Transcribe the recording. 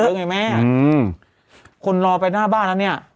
อืมมคนรอไปหน้าบ้านแล้วเนี่ย